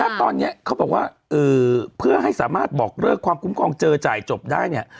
ณตอนนี้เขาบอกว่าเพื่อให้สามารถบอกเลิกความคุ้มครองเจอจ่ายจบได้เนี่ย